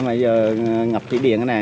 mà giờ ngập cái điện này